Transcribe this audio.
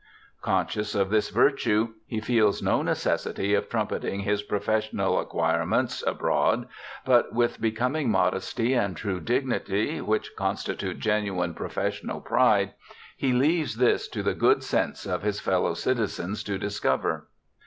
Conscious of this virtue, he feels no necessity of trumpeting his professional acquirements abroad, but with becoming modesty and true dignity, which constitute genuine professional pride, he leaves this to the good sense of his fellow citizens to discover.'